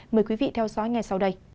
mời quý vị theo dõi ngay sau đây